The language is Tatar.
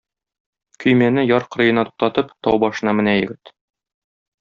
Көймәне яр кырыена туктатып, тау башына менә егет.